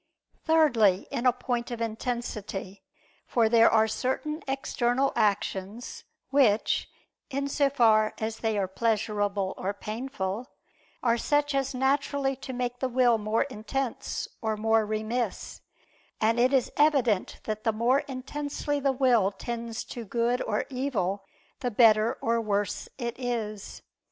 Thirdly, in point of intensity: for there are certain external actions, which, in so far as they are pleasurable, or painful, are such as naturally to make the will more intense or more remiss; and it is evident that the more intensely the will tends to good or evil, the better or worse it is.